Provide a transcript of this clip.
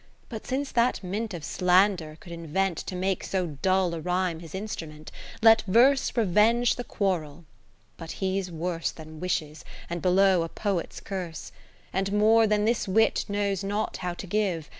But since that mint of slander could invent To make so dull a rhyme his instru ment. Let verse revenge the quarrel. But he 's worse Than wishes, and below a Poet's curse ; And more than this Wit knows not how to give.